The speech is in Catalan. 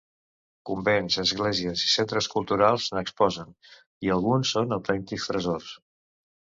Convents, esglésies i centres culturals n’exposen i alguns són autèntics tresors.